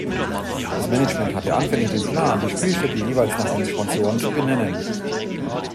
Das Management hatte anfänglich den Plan, die Spielstätte jeweils nach den Sponsoren zu benennen.